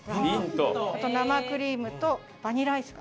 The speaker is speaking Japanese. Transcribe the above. あと生クリームとバニラアイスが。